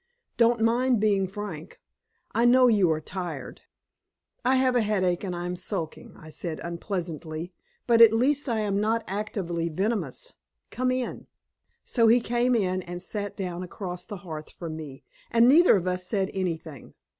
"Don't mind being frank. I know you are tired." "I have a headache, and I am sulking," I said unpleasantly, "but at least I am not actively venomous. Come in." So he came in and sat down across the hearth from me, and neither of us said anything.